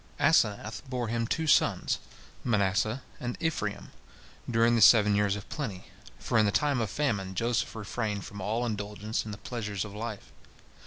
Asenath bore him two sons, Manasseh and Ephraim, during the seven years of plenty, for in the time of famine Joseph refrained from all indulgence in the pleasures of life.